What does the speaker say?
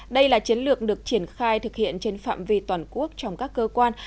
đây là chiến lược được triển khai thực hiện trên phạm vi toàn quốc trong các cơ quan